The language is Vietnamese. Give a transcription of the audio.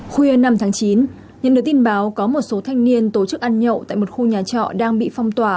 khuya năm tháng chín nhận được tin báo có một số thanh niên tổ chức ăn nhậu tại một khu nhà trọ đang bị phong tỏa